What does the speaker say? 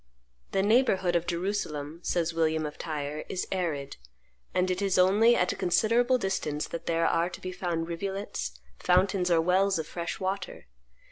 "The neighborhood of Jerusalem," says William of Tyre, "is arid; and it is only at a considerable distance that there are to be found rivulets, fountains, or wells of fresh water.